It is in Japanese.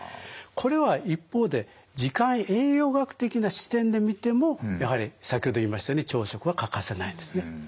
これは一方で時間栄養学的な視点で見てもやはり先ほど言いましたように朝食は欠かせないんですね。